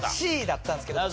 Ｃだったんですけど。